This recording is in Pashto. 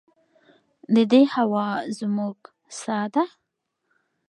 د دې هوا زموږ ساه ده؟